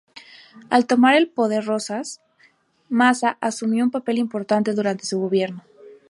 Al tomar el poder Rosas, Maza asumió un papel importante durante su gobierno.